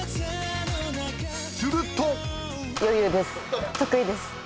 ［すると］